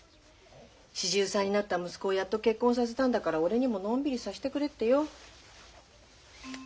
４３になった息子をやっと結婚させたんだから俺にものんびりさしてくれってよ。